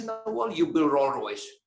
anda membangun rolls royce